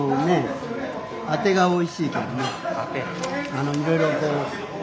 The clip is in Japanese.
あのいろいろこう。